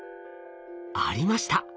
ありました。